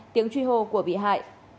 tiếng truy hô của bị hại